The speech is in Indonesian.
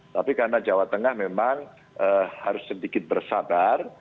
tapi karena jawa tengah memang harus sedikit bersabar